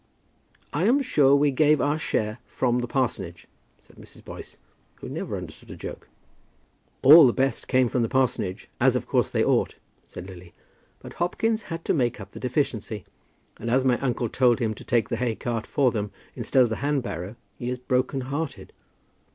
"I am sure we gave our share from the parsonage," said Mrs. Boyce, who never understood a joke. "All the best came from the parsonage, as of course they ought," said Lily. "But Hopkins had to make up the deficiency. And as my uncle told him to take the haycart for them instead of the hand barrow, he is broken hearted."